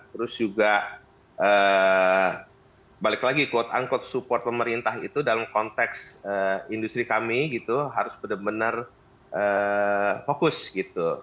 terus juga balik lagi quote unquote support pemerintah itu dalam konteks industri kami gitu harus benar benar fokus gitu